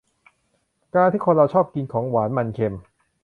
การที่คนเราชอบกินของหวาน มัน เค็ม